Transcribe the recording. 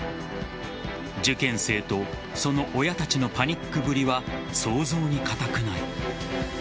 受験生とその親たちのパニックぶりは想像に難くない。